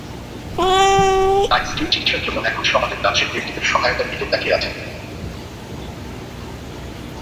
তাই স্ত্রীর চিকিৎসার জন্য এখন সমাজের দানশীল ব্যক্তিদের সহায়তার দিকে তাকিয়ে আছেন।